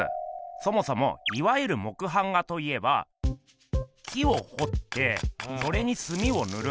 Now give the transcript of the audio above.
そもそもいわゆる木版画といえば木をほってそれにすみをぬる。